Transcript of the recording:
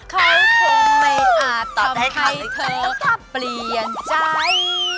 เขาคงไม่อาจทำให้เธอเปลี่ยนใจ